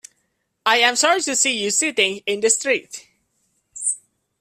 I am sorry to see you sitting in the street.